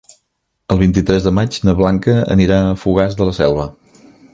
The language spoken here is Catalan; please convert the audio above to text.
El vint-i-tres de maig na Blanca anirà a Fogars de la Selva.